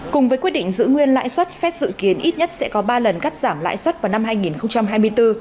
cùng với quyết định giữ nguyên lãi suất fed dự kiến ít nhất sẽ có ba lần cắt giảm lãi suất vào năm hai nghìn hai mươi bốn